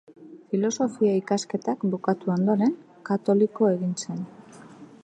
Filosofia-ikasketak bukatu ondoren, katoliko egin zen.